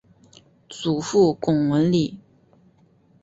祖父龚文礼。